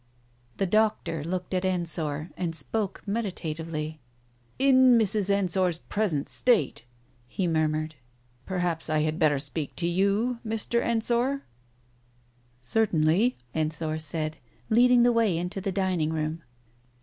The doctor looked at Ensor, and spoke meditatively. "In Mrs. Ensor's present state 1 ..." he murmured. "Perhaps I had better speak to you, Mr. Ensor? ..." "Certainly," Ensor said, leading the way into the dining room.